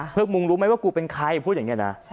เพื่อกมุงรู้มั้ยว่ากูเป็นใครพูดอย่างเงี้ยนะ